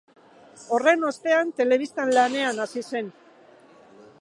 Horren ostean, telebistan lanean hasi zen.